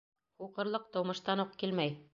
Һуҡырлыҡ тыумыштан уҡ килмәй.